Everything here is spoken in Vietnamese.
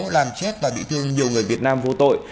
làm chết và bị thương nhiều người việt nam vô tội